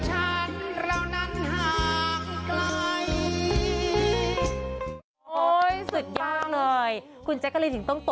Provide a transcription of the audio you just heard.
เหตุการณ์แพร่ผ่าน